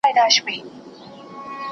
¬ پر خوړه مځکه هر واښه شين کېږي.